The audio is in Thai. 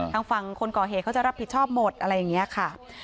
ทางฝั่งคนก่อเหตุเขาจะรับผิดชอบหมดอะไรอย่างนี้ค่ะ